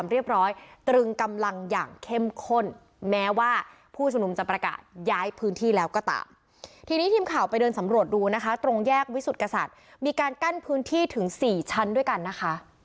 มีการกั้นพื้นที่ถึง๔ชั้นด้วยกันนะคะ